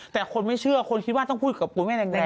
แต่คนไม่เชื่อคนคิดว่าต้องพูดกับคุณแม่แดง